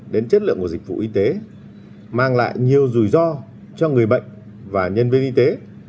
đến chất lượng của dịch vụ y tế mang lại nhiều rủi ro cho người bệnh và nhân viên y tế